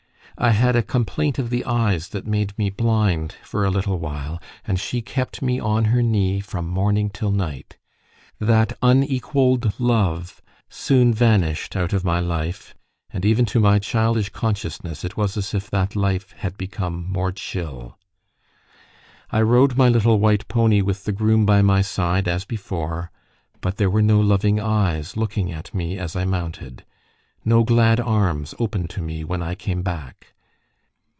I had a complaint of the eyes that made me blind for a little while, and she kept me on her knee from morning till night. That unequalled love soon vanished out of my life, and even to my childish consciousness it was as if that life had become more chill. I rode my little white pony with the groom by my side as before, but there were no loving eyes looking at me as I mounted, no glad arms opened to me when I came back.